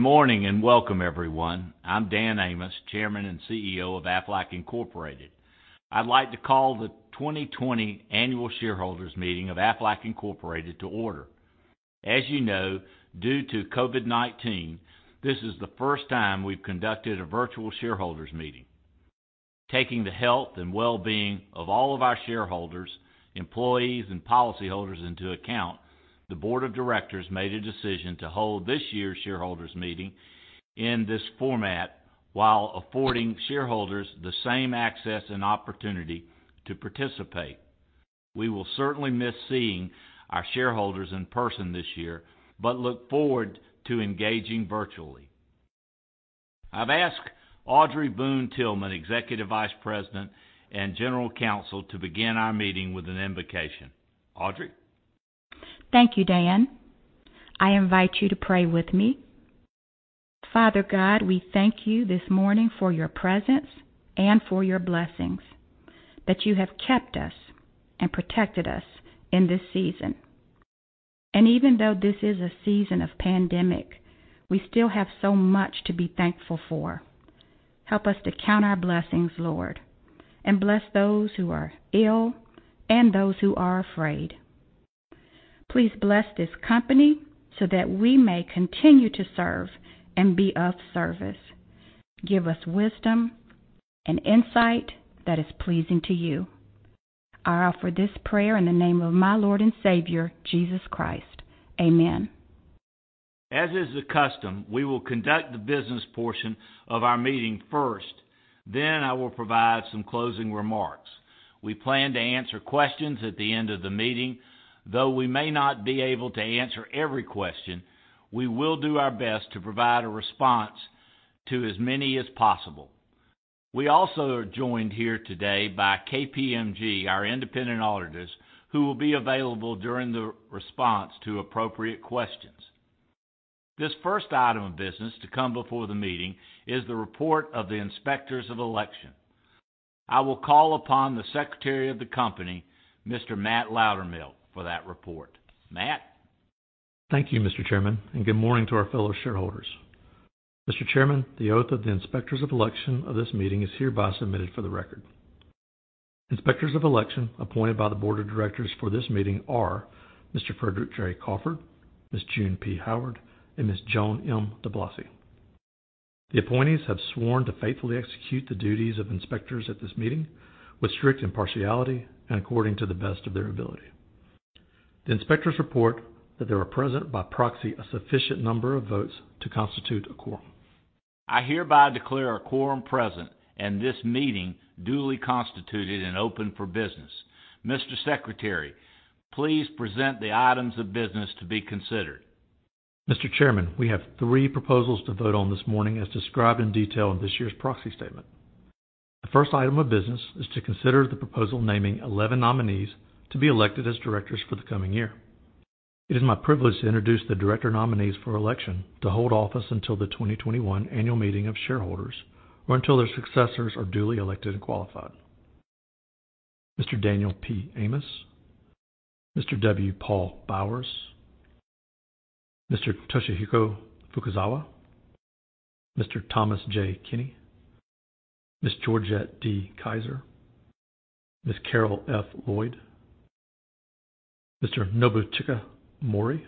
Good morning and welcome, everyone. I'm Dan Amos, Chairman and CEO of Aflac Incorporated. I'd like to call the 2020 Annual Shareholders Meeting of Aflac Incorporated to order. As you know, due to COVID-19, this is the first time we've conducted a virtual shareholders meeting. Taking the health and well-being of all of our shareholders, employees, and policyholders into account, the Board of Directors made a decision to hold this year's shareholders meeting in this format while affording shareholders the same access and opportunity to participate. We will certainly miss seeing our shareholders in person this year, but look forward to engaging virtually. I've asked Audrey Boone Tillman, Executive Vice President and General Counsel, to begin our meeting with an invocation. Audrey. Thank you, Dan. I invite you to pray with me. Father God, we thank you this morning for your presence and for your blessings, that you have kept us and protected us in this season. And even though this is a season of pandemic, we still have so much to be thankful for. Help us to count our blessings, Lord, and bless those who are ill and those who are afraid. Please bless this company so that we may continue to serve and be of service. Give us wisdom and insight that is pleasing to you. I offer this prayer in the name of my Lord and Savior, Jesus Christ. Amen. As is the custom, we will conduct the business portion of our meeting first. Then I will provide some closing remarks. We plan to answer questions at the end of the meeting. Though we may not be able to answer every question, we will do our best to provide a response to as many as possible. We also are joined here today by KPMG, our independent auditors, who will be available during the response to appropriate questions. This first item of business to come before the meeting is the report of the inspectors of election. I will call upon the Secretary of the Company, Mr. Matthew Loudermilk, for that report. Matthew? Thank you, Mr. Chairman, and good morning to our fellow shareholders. Mr. Chairman, the oath of the inspectors of election of this meeting is hereby submitted for the record. Inspectors of election appointed by the Board of Directors for this meeting are Mr. Frederick J. Crawford, Ms. June P. Howard, and Ms. Joan M. DiBlasi. The appointees have sworn to faithfully execute the duties of inspectors at this meeting with strict impartiality and according to the best of their ability. The inspectors report that there were present, by proxy, a sufficient number of votes to constitute a quorum. I hereby declare a quorum present and this meeting duly constituted and open for business. Mr. Secretary, please present the items of business to be considered. Mr. Chairman, we have three proposals to vote on this morning as described in detail in this year's proxy statement. The first item of business is to consider the proposal naming 11 nominees to be elected as directors for the coming year. It is my privilege to introduce the director nominees for election to hold office until the 2021 Annual Meeting of Shareholders or until their successors are duly elected and qualified. Mr. Daniel P. Amos, Mr. W. Paul Bowers, Mr. Toshihiko Fukuzawa, Mr. Thomas J. Kenny, Ms. Georgette D. Kiser, Ms. Karole F. Lloyd, Mr. Nobuchika Mori,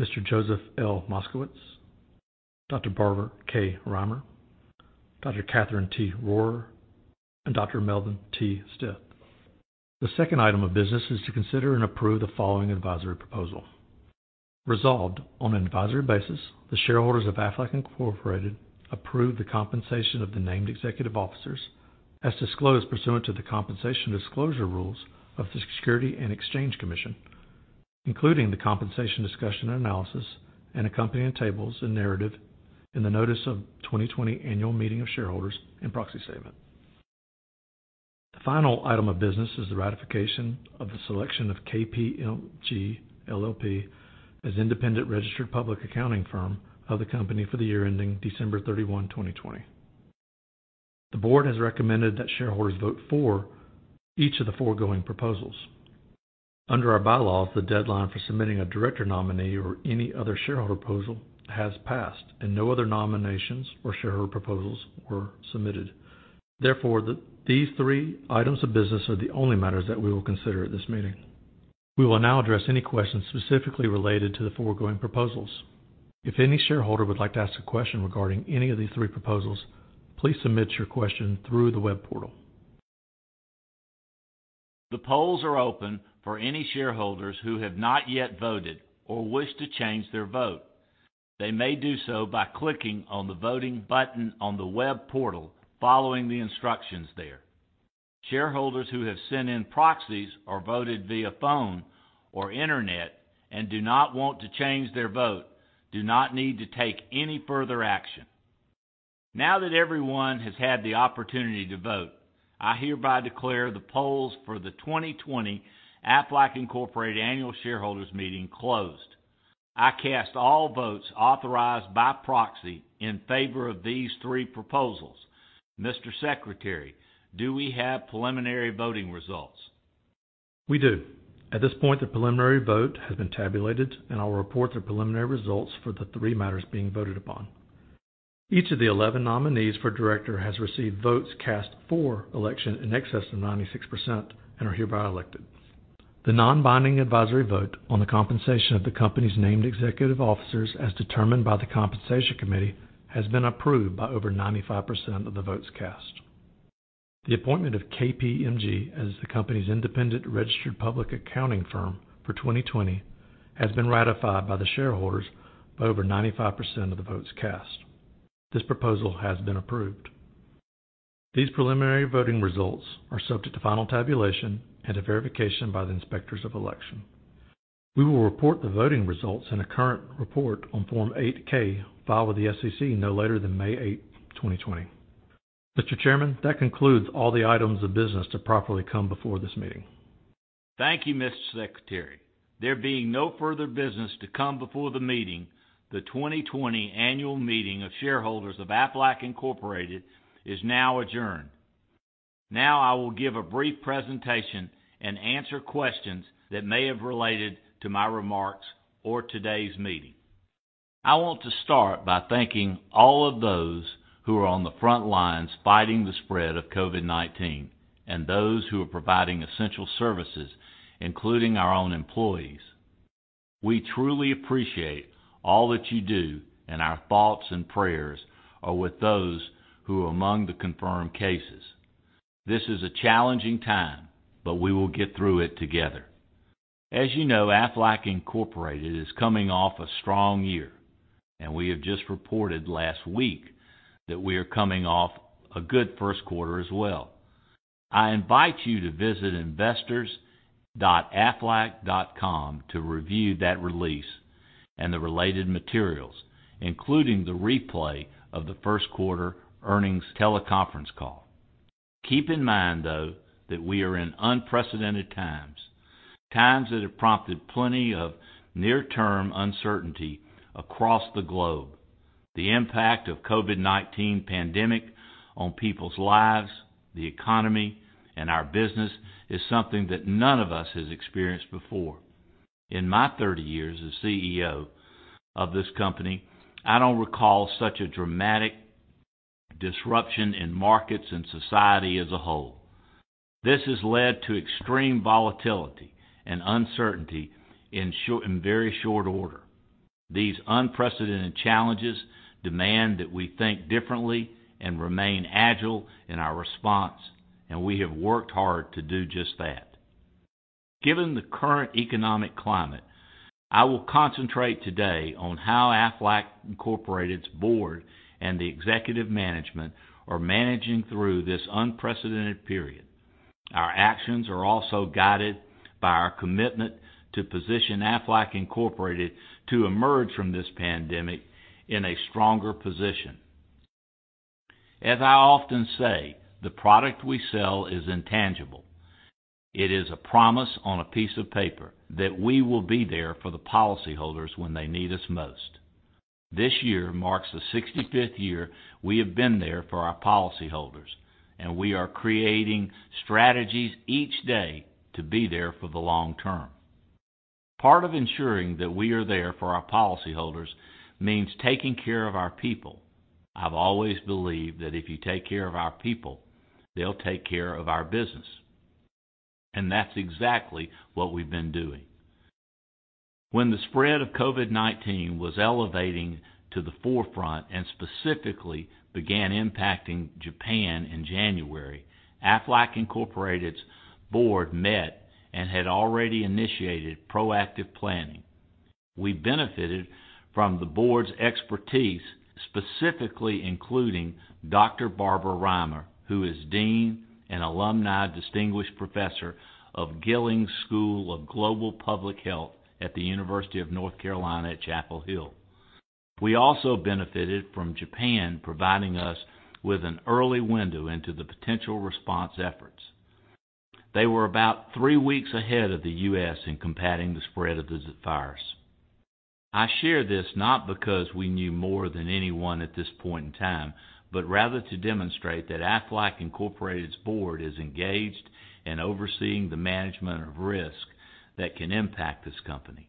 Mr. Joseph L. Moskowitz, Dr. Barbara K. Rimer, Dr. Katherine T. Rohrer, and Dr. Melvin T. Stith. The second item of business is to consider and approve the following advisory proposal. Resolved on an advisory basis, the shareholders of Aflac Incorporated approve the compensation of the named executive officers as disclosed pursuant to the compensation disclosure rules of the Securities and Exchange Commission, including the Compensation Discussion and Analysis and accompanying tables and narrative in the Notice of the 2020 Annual Meeting of Shareholders and proxy statement. The final item of business is the ratification of the selection of KPMG LLP as independent registered public accounting firm of the company for the year ending December 31, 2020. The board has recommended that shareholders vote for each of the foregoing proposals. Under our bylaws, the deadline for submitting a director nominee or any other shareholder proposal has passed and no other nominations or shareholder proposals were submitted. Therefore, these three items of business are the only matters that we will consider at this meeting. We will now address any questions specifically related to the foregoing proposals. If any shareholder would like to ask a question regarding any of these three proposals, please submit your question through the web portal. The polls are open for any shareholders who have not yet voted or wish to change their vote. They may do so by clicking on the voting button on the web portal following the instructions there. Shareholders who have sent in proxies or voted via phone or internet and do not want to change their vote do not need to take any further action. Now that everyone has had the opportunity to vote, I hereby declare the polls for the 2020 Aflac Incorporated Annual Shareholders Meeting closed. I cast all votes authorized by proxy in favor of these three proposals. Mr. Secretary, do we have preliminary voting results? We do. At this point, the preliminary vote has been tabulated and I'll report the preliminary results for the three matters being voted upon. Each of the 11 nominees for director has received votes cast for election in excess of 96% and are hereby elected. The non-binding advisory vote on the compensation of the company's named executive officers as determined by the Compensation Committee has been approved by over 95% of the votes cast. The appointment of KPMG as the company's independent registered public accounting firm for 2020 has been ratified by the shareholders by over 95% of the votes cast. This proposal has been approved. These preliminary voting results are subject to final tabulation and to verification by the inspectors of election. We will report the voting results in a current report on Form 8-K filed with the SEC no later than May 8, 2020. Mr. Chairman, that concludes all the items of business to properly come before this meeting. Thank you, Mr. Secretary. There being no further business to come before the meeting, the 2020 Annual Meeting of Shareholders of Aflac Incorporated is now adjourned. Now I will give a brief presentation and answer questions that may have related to my remarks or today's meeting. I want to start by thanking all of those who are on the front lines fighting the spread of COVID-19 and those who are providing essential services, including our own employees. We truly appreciate all that you do and our thoughts and prayers are with those who are among the confirmed cases. This is a challenging time, but we will get through it together. As you know, Aflac Incorporated is coming off a strong year and we have just reported last week that we are coming off a good first quarter as well. I invite you to visit investors.aflac.com to review that release and the related materials, including the replay of the first quarter earnings teleconference call. Keep in mind, though, that we are in unprecedented times, times that have prompted plenty of near-term uncertainty across the globe. The impact of the COVID-19 pandemic on people's lives, the economy, and our business is something that none of us has experienced before. In my 30 years as CEO of this company, I don't recall such a dramatic disruption in markets and society as a whole. This has led to extreme volatility and uncertainty in very short order. These unprecedented challenges demand that we think differently and remain agile in our response, and we have worked hard to do just that. Given the current economic climate, I will concentrate today on how Aflac Incorporated's board and the executive management are managing through this unprecedented period. Our actions are also guided by our commitment to position Aflac Incorporated to emerge from this pandemic in a stronger position. As I often say, the product we sell is intangible. It is a promise on a piece of paper that we will be there for the policyholders when they need us most. This year marks the 65th year we have been there for our policyholders, and we are creating strategies each day to be there for the long term. Part of ensuring that we are there for our policyholders means taking care of our people. I've always believed that if you take care of our people, they'll take care of our business, and that's exactly what we've been doing. When the spread of COVID-19 was elevating to the forefront and specifically began impacting Japan in January, Aflac Incorporated's board met and had already initiated proactive planning. We benefited from the board's expertise, specifically including Dr. Barbara K. Rimer, who is Dean and Alumni Distinguished Professor of Gillings School of Global Public Health at the University of North Carolina at Chapel Hill. We also benefited from Japan providing us with an early window into the potential response efforts. They were about three weeks ahead of the U.S. in combating the spread of the virus. I share this not because we knew more than anyone at this point in time, but rather to demonstrate that Aflac Incorporated's board is engaged in overseeing the management of risk that can impact this company.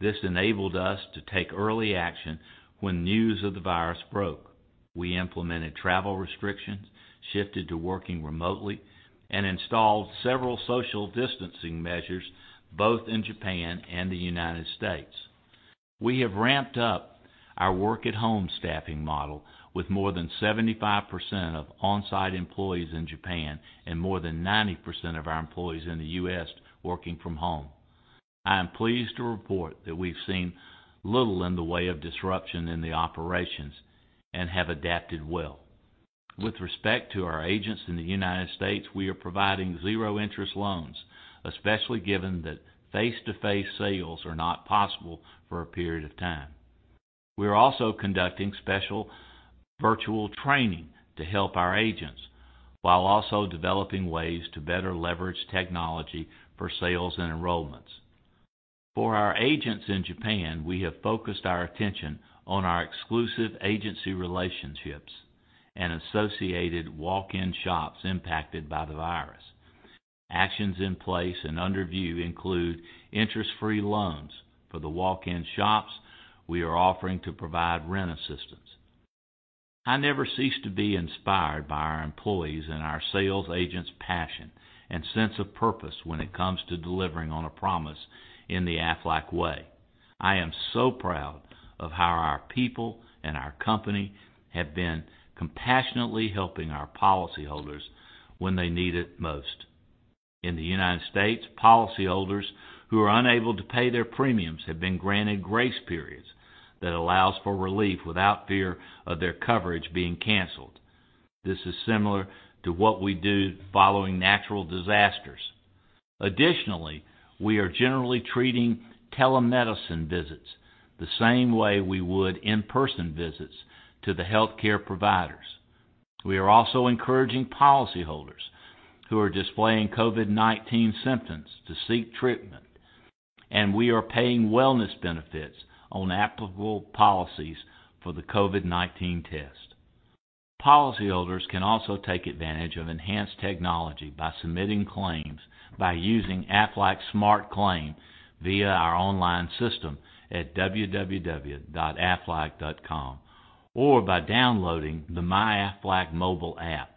This enabled us to take early action when news of the virus broke. We implemented travel restrictions, shifted to working remotely, and installed several social distancing measures both in Japan and the United States. We have ramped up our work-at-home staffing model with more than 75% of on-site employees in Japan and more than 90% of our employees in the U.S. working from home. I am pleased to report that we've seen little in the way of disruption in the operations and have adapted well. With respect to our agents in the United States, we are providing zero-interest loans, especially given that face-to-face sales are not possible for a period of time. We are also conducting special virtual training to help our agents while also developing ways to better leverage technology for sales and enrollments. For our agents in Japan, we have focused our attention on our exclusive agency relationships and associated walk-in shops impacted by the virus. Actions in place and under view include interest-free loans for the walk-in shops we are offering to provide rent assistance. I never cease to be inspired by our employees and our sales agents' passion and sense of purpose when it comes to delivering on a promise in the Aflac Way. I am so proud of how our people and our company have been compassionately helping our policyholders when they need it most. In the United States, policyholders who are unable to pay their premiums have been granted grace periods that allow for relief without fear of their coverage being canceled. This is similar to what we do following natural disasters. Additionally, we are generally treating telemedicine visits the same way we would in-person visits to the healthcare providers. We are also encouraging policyholders who are displaying COVID-19 symptoms to seek treatment, and we are paying wellness benefits on applicable policies for the COVID-19 test. Policyholders can also take advantage of enhanced technology by submitting claims by using Aflac SmartClaim via our online system at www.aflac.com or by downloading the MyAflac mobile app.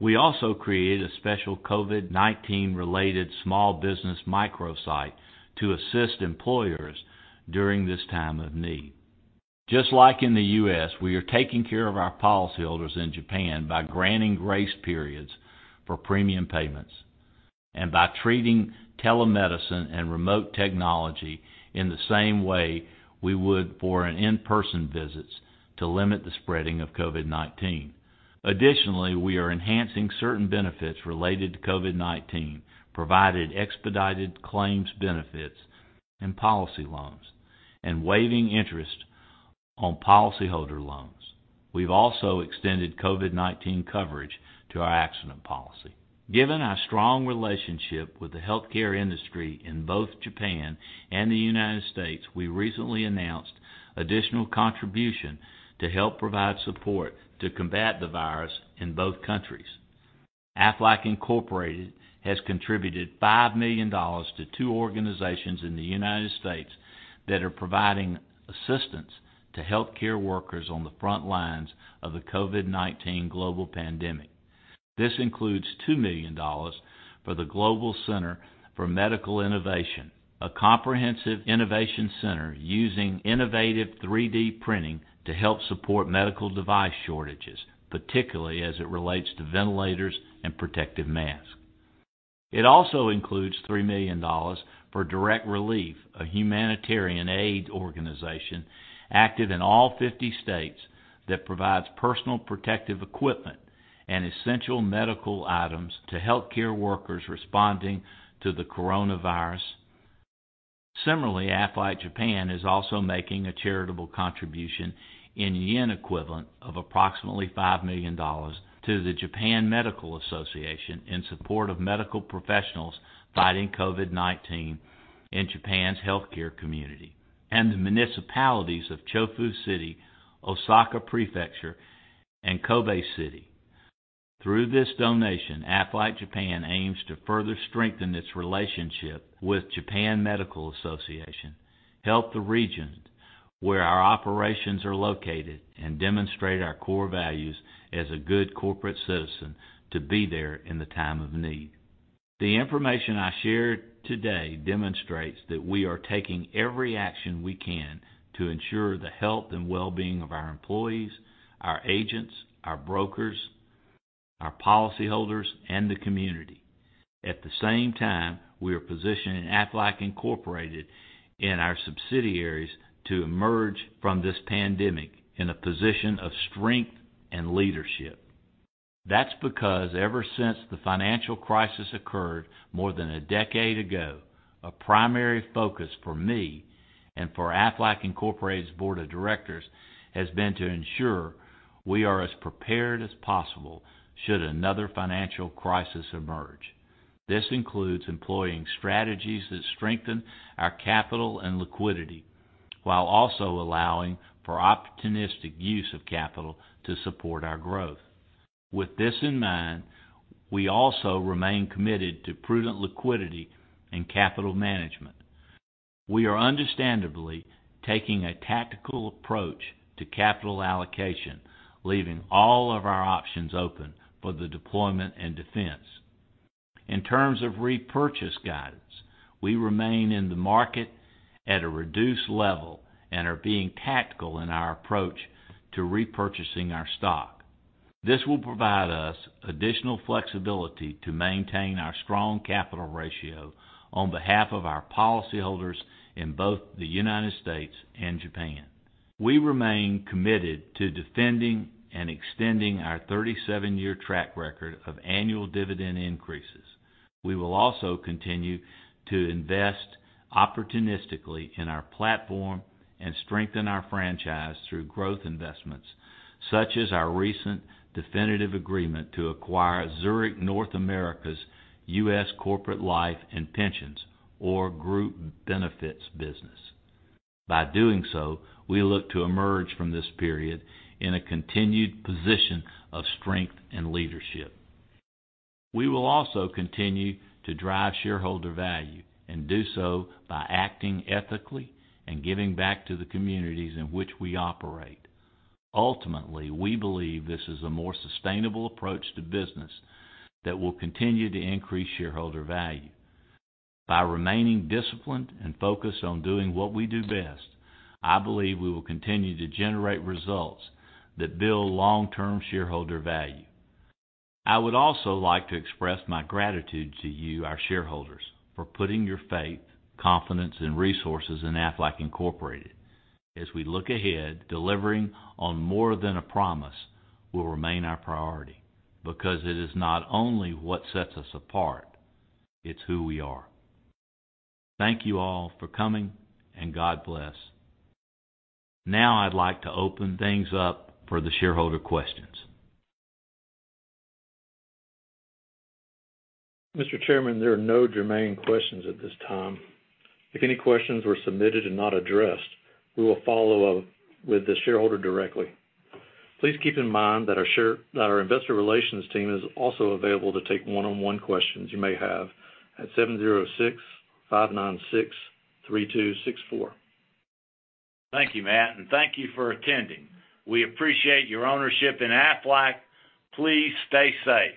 We also created a special COVID-19-related small business micro-site to assist employers during this time of need. Just like in the U.S., we are taking care of our policyholders in Japan by granting grace periods for premium payments and by treating telemedicine and remote technology in the same way we would for in-person visits to limit the spreading of COVID-19. Additionally, we are enhancing certain benefits related to COVID-19, provided expedited claims benefits and policy loans, and waiving interest on policyholder loans. We've also extended COVID-19 coverage to our accident policy. Given our strong relationship with the healthcare industry in both Japan and the United States, we recently announced additional contributions to help provide support to combat the virus in both countries. Aflac Incorporated has contributed $5 million to two organizations in the United States that are providing assistance to healthcare workers on the front lines of the COVID-19 global pandemic. This includes $2 million for the Global Center for Medical Innovation, a comprehensive innovation center using innovative 3D printing to help support medical device shortages, particularly as it relates to ventilators and protective masks. It also includes $3 million for Direct Relief, a humanitarian aid organization active in all 50 states that provides personal protective equipment and essential medical items to healthcare workers responding to the coronavirus. Similarly, Aflac Japan is also making a charitable contribution in yen equivalent of approximately $5 million to the Japan Medical Association in support of medical professionals fighting COVID-19 in Japan's healthcare community and the municipalities of Chofu City, Osaka Prefecture, and Kobe City. Through this donation, Aflac Japan aims to further strengthen its relationship with Japan Medical Association, help the region where our operations are located, and demonstrate our core values as a good corporate citizen to be there in the time of need. The information I shared today demonstrates that we are taking every action we can to ensure the health and well-being of our employees, our agents, our brokers, our policyholders, and the community. At the same time, we are positioning Aflac Incorporated and our subsidiaries to emerge from this pandemic in a position of strength and leadership. That's because ever since the financial crisis occurred more than a decade ago, a primary focus for me and for Aflac Incorporated's Board of Directors has been to ensure we are as prepared as possible should another financial crisis emerge. This includes employing strategies that strengthen our capital and liquidity while also allowing for opportunistic use of capital to support our growth. With this in mind, we also remain committed to prudent liquidity and capital management. We are understandably taking a tactical approach to capital allocation, leaving all of our options open for the deployment and defense. In terms of repurchase guidance, we remain in the market at a reduced level and are being tactical in our approach to repurchasing our stock. This will provide us additional flexibility to maintain our strong capital ratio on behalf of our policyholders in both the United States and Japan. We remain committed to defending and extending our 37-year track record of annual dividend increases. We will also continue to invest opportunistically in our platform and strengthen our franchise through growth investments, such as our recent definitive agreement to acquire Zurich North America's U.S. Corporate Life and Pensions or group benefits business. By doing so, we look to emerge from this period in a continued position of strength and leadership. We will also continue to drive shareholder value and do so by acting ethically and giving back to the communities in which we operate. Ultimately, we believe this is a more sustainable approach to business that will continue to increase shareholder value. By remaining disciplined and focused on doing what we do best, I believe we will continue to generate results that build long-term shareholder value. I would also like to express my gratitude to you, our shareholders, for putting your faith, confidence, and resources in Aflac Incorporated. As we look ahead, delivering on more than a promise will remain our priority because it is not only what sets us apart. It's who we are. Thank you all for coming, and God bless. Now I'd like to open things up for the shareholder questions. Mr. Chairman, there are no germane questions at this time. If any questions were submitted and not addressed, we will follow up with the shareholder directly. Please keep in mind that our investor relations team is also available to take one-on-one questions you may have at 706-596-3264. Thank you, Matthew, and thank you for attending. We appreciate your ownership in Aflac. Please stay safe.